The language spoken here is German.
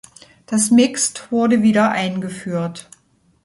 Das Mixed wurde wieder eingeführt.